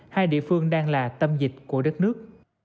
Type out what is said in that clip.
hai địa phương đang là tâm dịch của đất nước